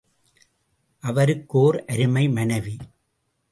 அவருக்கு ஓர் அருமை மனைவி.